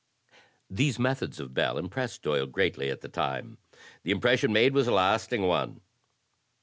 These methods of Bell impressed Doyle greatly at the time. The impression made was a lasting one.